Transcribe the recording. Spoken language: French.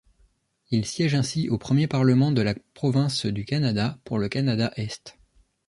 Il siège ainsi au Premier parlement de la province du Canada, pour le Canada-Est.